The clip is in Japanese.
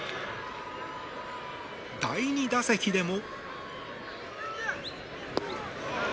第２打席でも。